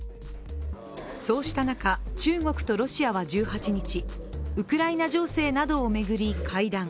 そうした中、中国とロシアは１８日ウクライナ情勢などを巡り会談。